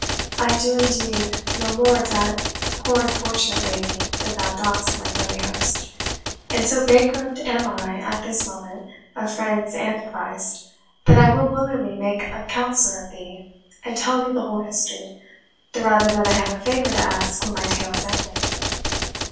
"I do indeed know more of that poor unfortunate lady than thou dost, my friendly host; and so bankrupt am I, at this moment, of friends and advice, that I will willingly make a counsellor of thee, and tell thee the whole history, the rather that I have a favour to ask when my tale is ended."